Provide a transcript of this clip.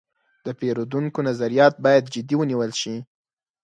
د پیرودونکو نظریات باید جدي ونیول شي.